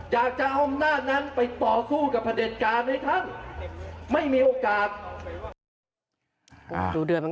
อยากจะเอาอำนาจนั้นไปต่อสู้กับประเด็นกาในท่าน